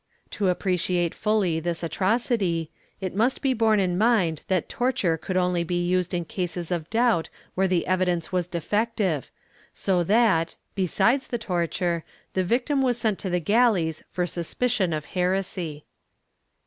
^ To appreciate fully this atrocity, it must be borne in mind that torture could only be used in cases of doubt where the evidence was defective, so that, besides the torture the victim was sent to the galleys for suspicion of heresy.